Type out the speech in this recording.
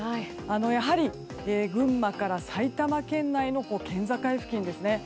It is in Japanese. やはり群馬から埼玉県内の県境付近ですね。